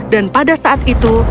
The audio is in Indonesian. dan pada saat itu